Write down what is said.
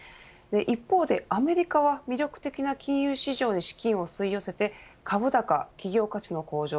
一方でアメリカは魅力的な金融市場に資金を吸い寄せて株高、企業価値の向上